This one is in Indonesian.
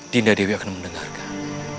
dinda dewi akan mendengarkan